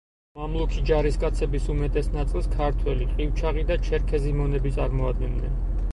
მამლუქი ჯარისკაცების უმეტეს ნაწილს ქართველი, ყივჩაყი და ჩერქეზი მონები წარმოადგენდნენ.